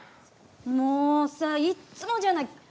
もうさ、いっつもじゃない。